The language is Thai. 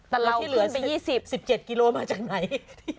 แต่เราขึ้นไป๒๐กิโลกรัมร่วมขึ้นไป๑๗กิโลกรัมมาจากไหน